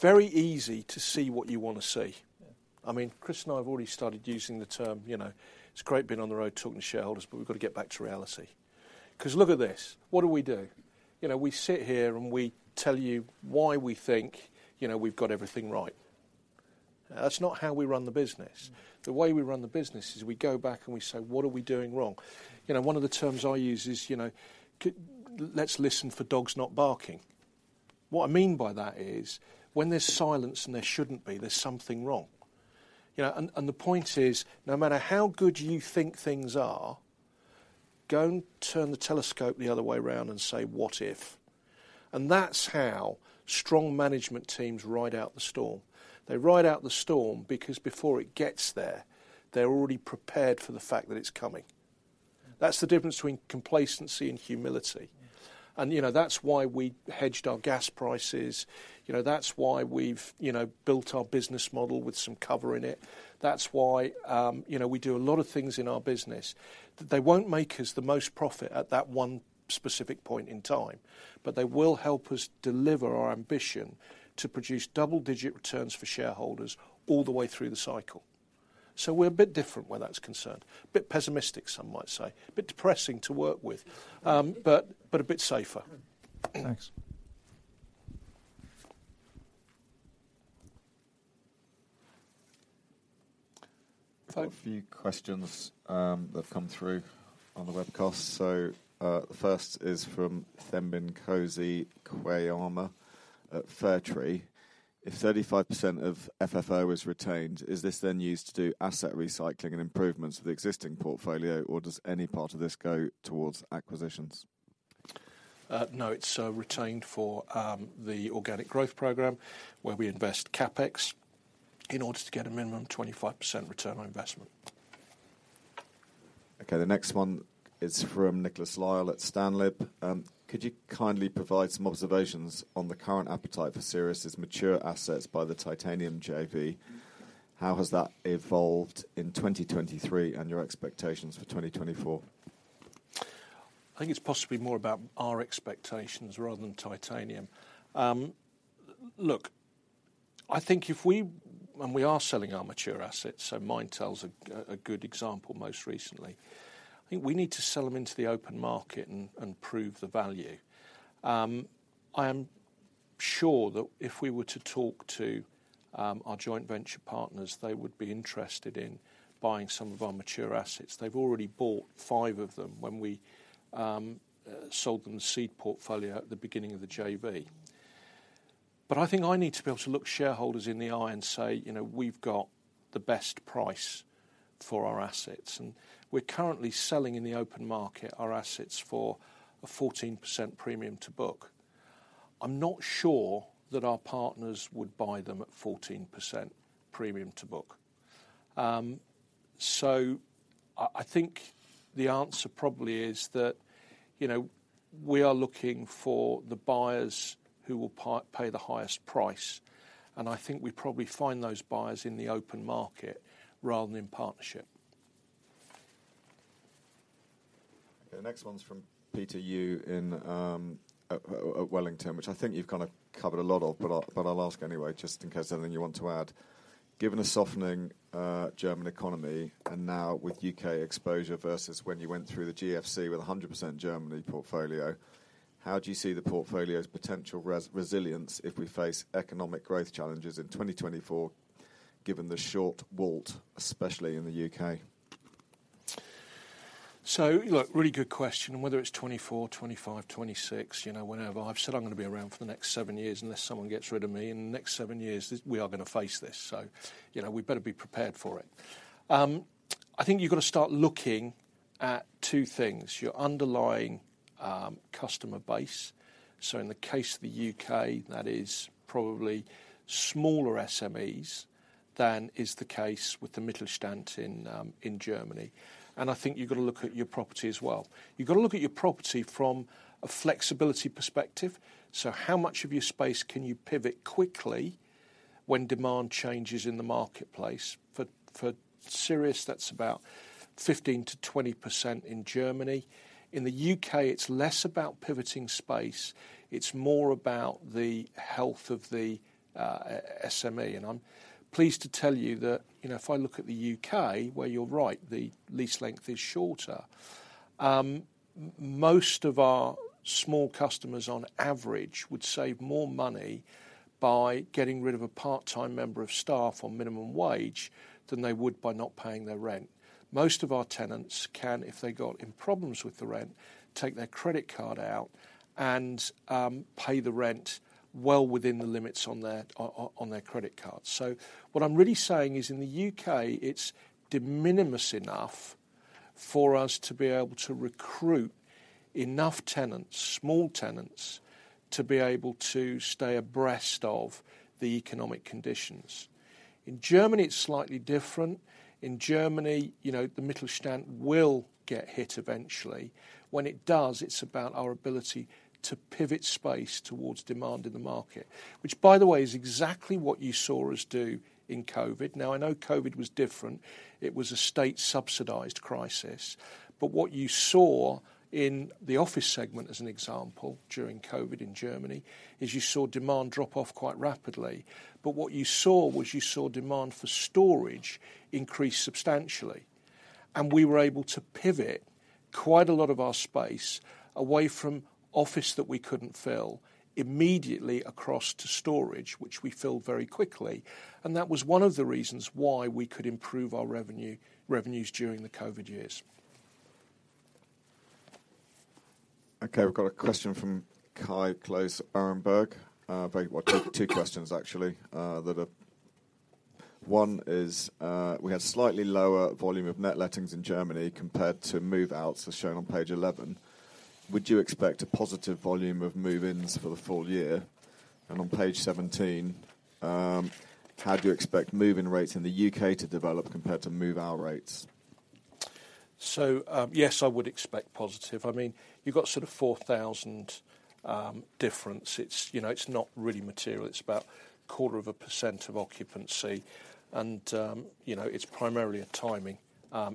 Speaker 1: Very easy to see what you want to see.
Speaker 3: Yeah.
Speaker 1: I mean, Chris and I have already started using the term, you know, it's great being on the road talking to shareholders, but we've got to get back to reality. Because look at this, what do we do? You know, we sit here, and we tell you why we think, you know, we've got everything right. That's not how we run the business.
Speaker 3: Mm.
Speaker 1: The way we run the business is we go back and we say: What are we doing wrong? You know, one of the terms I use is, you know, let's listen for dogs not barking. What I mean by that is, when there's silence and there shouldn't be, there's something wrong. You know, and the point is, no matter how good you think things are, go and turn the telescope the other way around and say, "What if?" And that's how strong management teams ride out the storm. They ride out the storm, because before it gets there, they're already prepared for the fact that it's coming.
Speaker 3: Mm.
Speaker 1: That's the difference between complacency and humility.
Speaker 3: Yeah.
Speaker 1: You know, that's why we hedged our gas prices. You know, that's why we've, you know, built our business model with some cover in it. That's why, you know, we do a lot of things in our business, that they won't make us the most profit at that one specific point in time, but they will help us deliver our ambition to produce double-digit returns for shareholders all the way through the cycle. So we're a bit different where that's concerned. A bit pessimistic, some might say. A bit depressing to work with, but a bit safer.
Speaker 3: Thanks....
Speaker 6: So a few questions that have come through on the webcast. So, the first is from Thembinkosi Cayama at Fairtree. If 35% of FFO is retained, is this then used to do asset recycling and improvements of the existing portfolio, or does any part of this go towards acquisitions?
Speaker 1: No, it's retained for the organic growth program, where we invest CapEx in order to get a minimum 25% return on investment.
Speaker 6: Okay, the next one is from Nicolas Lyle at STANLIB. Could you kindly provide some observations on the current appetite for Sirius's mature assets by the Titanium JV? How has that evolved in 2023 and your expectations for 2024?
Speaker 1: I think it's possibly more about our expectations rather than Titanium. Look, I think if we, when we are selling our mature assets, so Maintal's a, a good example most recently, I think we need to sell them into the open market and, and prove the value. I am sure that if we were to talk to, our joint venture partners, they would be interested in buying some of our mature assets. They've already bought five of them when we, sold them the seed portfolio at the beginning of the JV. But I think I need to be able to look shareholders in the eye and say, "You know, we've got the best price for our assets," and we're currently selling in the open market our assets for a 14% premium to book. I'm not sure that our partners would buy them at 14% premium to book. So I think the answer probably is that, you know, we are looking for the buyers who will pay the highest price, and I think we probably find those buyers in the open market rather than in partnership.
Speaker 6: The next one's from Peter Yu at Wellington, which I think you've kind of covered a lot of, but I'll ask anyway, just in case there's anything you want to add. Given a softening German economy and now with UK exposure versus when you went through the GFC with a 100% Germany portfolio, how do you see the portfolio's potential resilience if we face economic growth challenges in 2024, given the short WALT, especially in the UK?
Speaker 1: So, look, really good question, and whether it's 2024, 2025, 2026, you know, whenever, I've said I'm gonna be around for the next seven years, unless someone gets rid of me. In the next seven years, we are gonna face this, so, you know, we better be prepared for it. I think you've got to start looking at two things: your underlying customer base, so in the case of the UK, that is probably smaller SMEs than is the case with the Mittelstand in Germany, and I think you've got to look at your property as well. You've got to look at your property from a flexibility perspective. So how much of your space can you pivot quickly when demand changes in the marketplace? For Sirius, that's about 15%-20% in Germany. In the UK, it's less about pivoting space. It's more about the health of the SME, and I'm pleased to tell you that, you know, if I look at the UK, where you're right, the lease length is shorter. Most of our small customers, on average, would save more money by getting rid of a part-time member of staff on minimum wage than they would by not paying their rent. Most of our tenants can, if they got in problems with the rent, take their credit card out and pay the rent well within the limits on their credit card. So what I'm really saying is, in the UK, it's de minimis enough for us to be able to recruit enough tenants, small tenants, to be able to stay abreast of the economic conditions. In Germany, it's slightly different. In Germany, you know, the Mittelstand will get hit eventually. When it does, it's about our ability to pivot space towards demand in the market, which, by the way, is exactly what you saw us do in COVID. Now, I know COVID was different. It was a state-subsidized crisis, but what you saw in the office segment, as an example, during COVID in Germany, is you saw demand drop off quite rapidly. But what you saw was you saw demand for storage increase substantially, and we were able to pivot quite a lot of our space away from office that we couldn't fill, immediately across to storage, which we filled very quickly, and that was one of the reasons why we could improve our revenues during the COVID years.
Speaker 6: Okay, we've got a question from Kai Klose, Berenberg. Very... Well, two, two questions, actually, that are: One is, we had slightly lower volume of net lettings in Germany compared to move-outs, as shown on page 11. Would you expect a positive volume of move-ins for the full year? And on page 17, how do you expect move-in rates in the UK to develop compared to move-out rates?
Speaker 1: So, yes, I would expect positive. I mean, you've got sort of 4,000 difference. It's, you know, it's not really material. It's about 0.25% of occupancy, and, you know, it's primarily a timing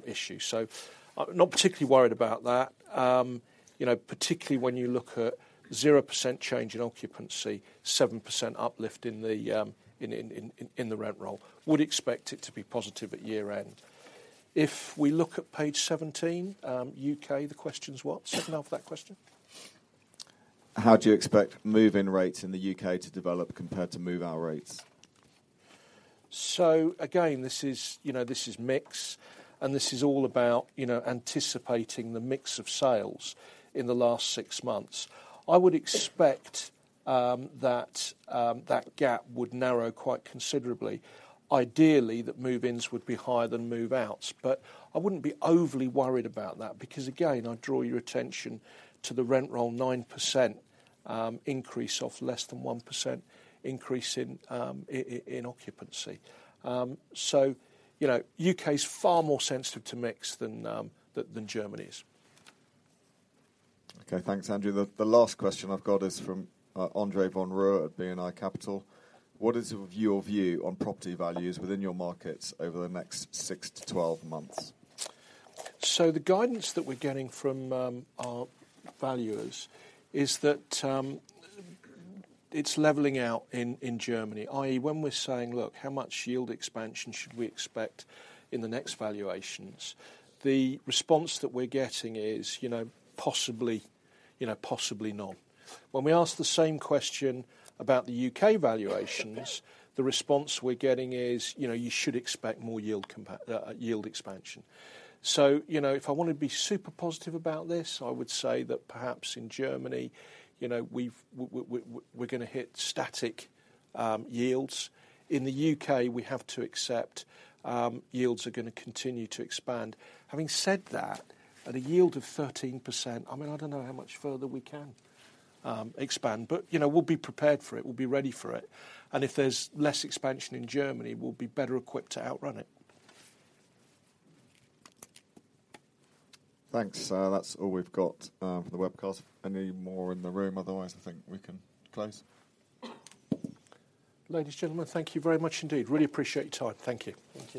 Speaker 1: issue. So I'm not particularly worried about that. You know, particularly when you look at 0% change in occupancy, 7% uplift in the rent roll. Would expect it to be positive at year-end. If we look at page 17, UK, the question is what? Say it again for that question?...
Speaker 6: How do you expect move-in rates in the UK to develop compared to move-out rates?
Speaker 1: So again, this is, you know, this is mix, and this is all about, you know, anticipating the mix of sales in the last six months. I would expect that gap would narrow quite considerably. Ideally, that move-ins would be higher than move-outs, but I wouldn't be overly worried about that, because again, I draw your attention to the rent roll 9% increase off less than 1% increase in occupancy. So, you know, UK is far more sensitive to mix than Germany is.
Speaker 6: Okay. Thanks, Andrew. The last question I've got is from Andre Remke at BNP BNP Paribas. What is your view on property values within your markets over the next 6-12 months?
Speaker 1: So the guidance that we're getting from our valuers is that it's leveling out in Germany, i.e., when we're saying, "Look, how much yield expansion should we expect in the next valuations?" The response that we're getting is, you know, possibly, you know, possibly not. When we ask the same question about the UK valuations, the response we're getting is: you know, you should expect more yield expansion. So, you know, if I want to be super positive about this, I would say that perhaps in Germany, you know, we're going to hit static yields. In the UK, we have to accept yields are going to continue to expand. Having said that, at a yield of 13%, I mean, I don't know how much further we can expand, but you know, we'll be prepared for it, we'll be ready for it, and if there's less expansion in Germany, we'll be better equipped to outrun it.
Speaker 6: Thanks. That's all we've got for the webcast. Any more in the room? Otherwise, I think we can close.
Speaker 1: Ladies and gentlemen, thank you very much indeed. Really appreciate your time. Thank you. Thank you.